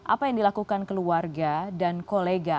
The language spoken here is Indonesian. apa yang dilakukan keluarga dan kolega